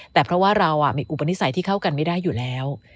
แต่เพราะว่าเรามีอุปนิสัยที่เข้ากันไม่ได้อยู่แล้ว